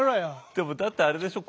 でもだってあれでしょ。